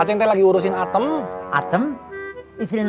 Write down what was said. sepertinya saya harus berjuang sendirian